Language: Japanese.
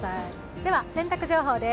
では洗濯情報です。